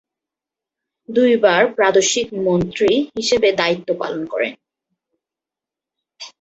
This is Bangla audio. দুইবার প্রাদেশিক মন্ত্রী হিসেবে দায়িত্ব পালন করেন।